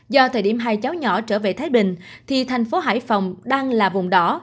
do thời điểm hai cháu nhỏ trở về thái bình thì thành phố hải phòng đang là vùng đỏ